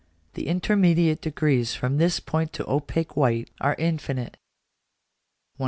The intermediate degrees from this point to opaque white are infinite. 149.